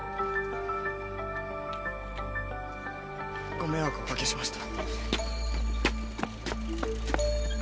ご迷惑おかけしました。